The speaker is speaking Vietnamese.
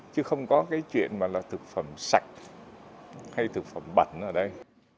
chứ không có cái chuyện mà là thực phẩm sạch hay thực phẩm bẩn ở đây